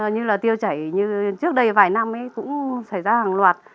như là tiêu chảy như trước đây vài năm cũng xảy ra hàng loạt